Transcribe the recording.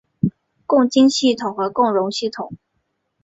共晶系统或共熔系统。